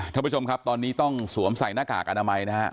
ท่านผู้ชมครับตอนนี้ต้องสวมใส่หน้ากากอนามัยนะฮะ